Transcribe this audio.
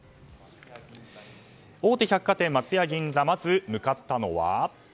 大手百貨店・松屋銀座まず向かったのは。